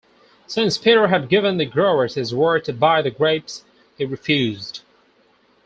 Since Peter had given the growers his word to buy the grapes, he refused.